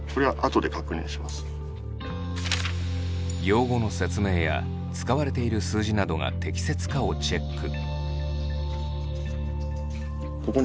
用語の説明や使われている数字などが適切かをチェック。